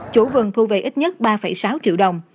chủ vườn thu về ít nhất ba sáu triệu đồng